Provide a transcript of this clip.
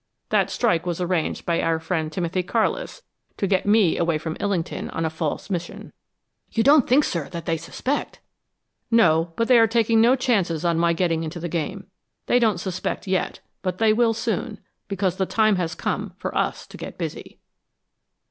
That strike was arranged by our friend Timothy Carlis, to get me away from Illington on a false mission." "You don't think, sir, that they suspect " "No, but they are taking no chances on my getting into the game. They don't suspect yet, but they will soon because the time has come for us to get busy."